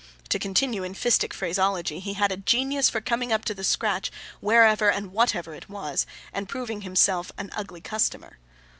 To continue in fistic phraseology, he had a genius for coming up to the scratch, wherever and whatever it was, and proving himself an ugly customer.